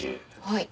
はい。